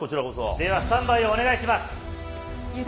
ではスタンバイをお願いしま油断しないで。